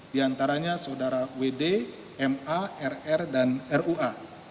di antaranya saudara wd ma rr dan rua